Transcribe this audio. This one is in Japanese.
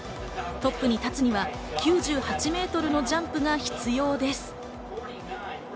トップに立つには９８メートルのジャンプが必要です。